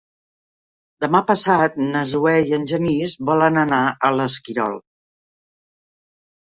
Demà passat na Zoè i en Genís volen anar a l'Esquirol.